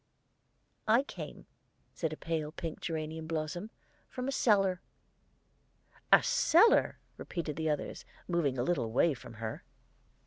"I came," said the pale pink geranium blossom, "from a cellar." "A cellar!" repeated the others, moving a little away from her.